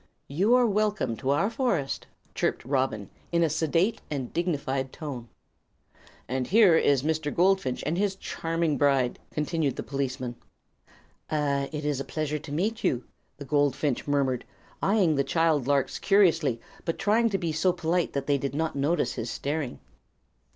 "You are welcome to our forest," chirped Robin, in a sedate and dignified tone. "And here is Mr. Goldfinch and his charming bride," continued the policeman. "Ah, it is a pleasure to meet you," the goldfinch murmured, eyeing the child larks curiously, but trying to be so polite that they would not notice his staring.